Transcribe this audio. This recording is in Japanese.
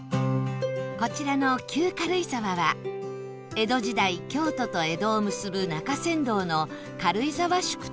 こちらの旧軽井沢は江戸時代京都と江戸を結ぶ中山道の軽井沢宿として栄え